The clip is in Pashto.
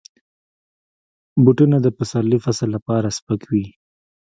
بوټونه د پسرلي فصل لپاره سپک وي.